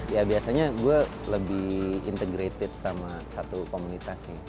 ya biasanya gue lebih integrated sama satu komunitas sih